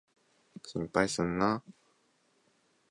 心配すんな。